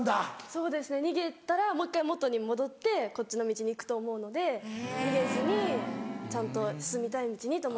そうですね逃げたらもう１回もとに戻ってこっちの道に行くと思うので逃げずにちゃんと進みたい道にと思って。